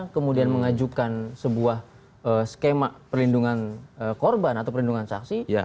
kemudian mengajukan sebuah skema perlindungan korban atau perlindungan saksi